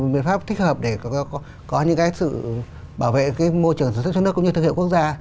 biện pháp thích hợp để có những sự bảo vệ môi trường sản xuất trong nước cũng như thương hiệu quốc gia